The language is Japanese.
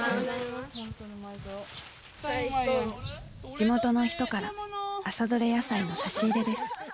地元の人から朝どれ野菜の差し入れです。